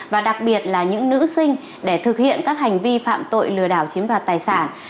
và đặc biệt là những nữ sinh để thực hiện các hành vi phạm tội lừa đảo chiếm đoạt tài sản